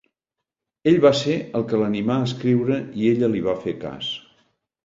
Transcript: Ell va ser el que l'animà a escriure i ella li va fer cas.